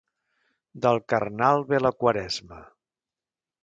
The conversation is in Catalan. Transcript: Del carnal ve la Quaresma.